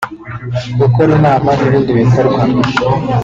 gukora inama n’ibindi bikorwa